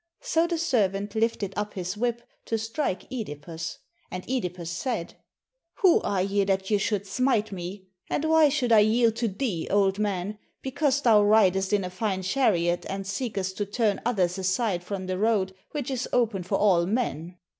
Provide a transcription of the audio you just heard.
So the servant Hfted up his whip to strike (Edipus; and (Edipus said, "Who are ye that ye should smite me? and why should I yield to thee, old man, because thou ridest in a fine chariot and seekest to turn others aside from the road which is open for all men?